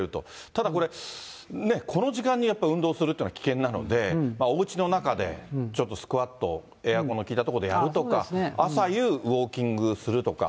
ただこれ、この時間にやっぱ運動するというのは危険なので、おうちの中で、ちょっとスクワット、エアコンの効いた所でやるとか、朝夕ウォーキングをするとか。